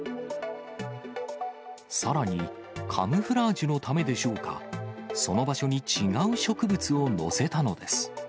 さらに、カムフラージュのためでしょうか、その場所に違う植物を載せたのです。